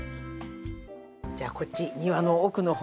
じゃあこっち庭の奥のほうに。